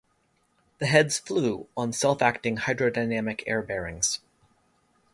The heads "flew" on self-acting hydrodynamic air bearings.